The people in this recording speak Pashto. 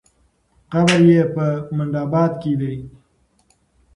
قبر یې په منډآباد کې دی.